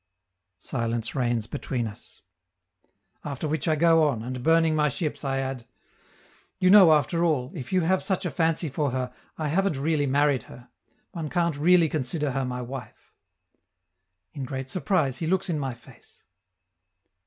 Silence reigns between us. After which I go on, and, burning my ships, I add: "You know, after all, if you have such a fancy for her, I haven't really married her; one can't really consider her my wife." In great surprise he looks in my face.